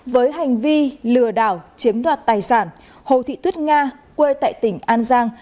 với hành vi lừa đảo chiếm đoạt tài sản hồ thị tuyết nga quê tại tỉnh an giang